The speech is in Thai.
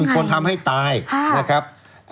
คนทำให้ตายนะครับ